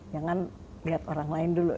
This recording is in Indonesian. jangan lihat orang lain dulu